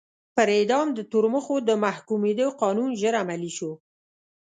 پر اعدام د تورمخو د محکومېدو قانون ژر عملي شو.